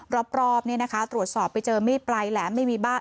รอบรอบเนี้ยนะคะตรวจสอบไปเจอไม่ไปร่และไม่มีบ้า